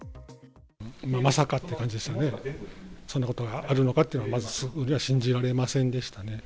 まさかっていう感じですよね、そんなことがあるのかっていうのが、まず信じられませんでしたね。